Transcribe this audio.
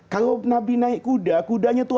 kalau nabi naik kuda kudanya itu